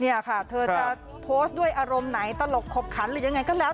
เนี่ยค่ะเธอจะโพสต์ด้วยอารมณ์ไหนตลกขบขันหรือยังไงก็แล้ว